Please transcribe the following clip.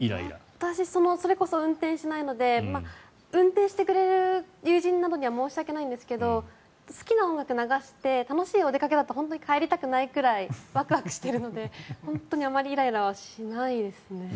私はそれこそ運転しないので運転してくれる友人などには申し訳ないんですが好きな音楽を流して楽しいお出かけだと本当に帰りたくないくらいワクワクしているので本当にあまりイライラはしないですね。